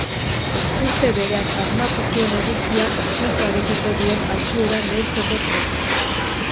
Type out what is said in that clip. Urte berean asmatu zuen eguzkiak itsasoarekiko duen altuera neurtzeko tresna.